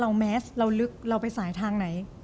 แมสเราลึกเราไปสายทางไหน